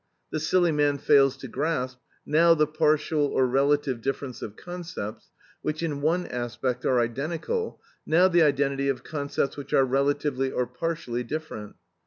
The silly man fails to grasp, now the partial or relative difference of concepts which in one aspect are identical, now the identity of concepts which are relatively or partially different.